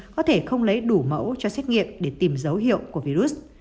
có thể không lấy đủ mẫu cho xét nghiệm để tìm dấu hiệu của virus